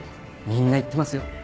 みんな言ってますよ。